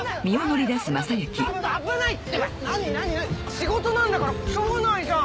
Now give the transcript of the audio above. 仕事なんだからしようがないじゃん。